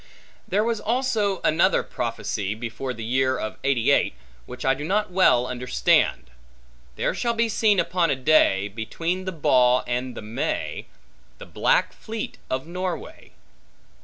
There was also another prophecy, before the year of '88, which I do not well understand. There shall be seen upon a day, Between the Baugh and the May, The black fleet of Norway.